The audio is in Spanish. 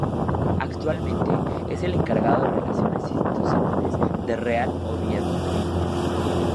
Actualmente es el encargado de relaciones institucionales del Real Oviedo.